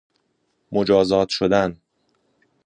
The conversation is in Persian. مجازات شدن